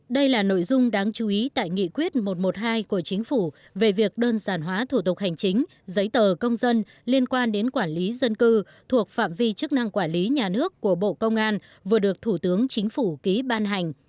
đây là nội dung đáng chú ý tại nghị quyết một trăm một mươi hai của chính phủ về việc đơn giản hóa thủ tục hành chính giấy tờ công dân liên quan đến quản lý dân cư thuộc phạm vi chức năng quản lý nhà nước của bộ công an vừa được thủ tướng chính phủ ký ban hành